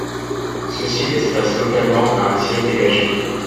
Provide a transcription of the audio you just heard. Ceci laisse place localement à un ciel dégagé.